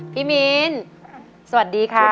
มินสวัสดีค่ะ